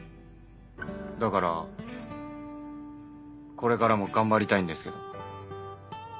だからこれからも頑張りたいんですけど。